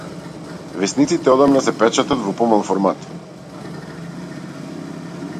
Весниците одамна се печатат во помал формат.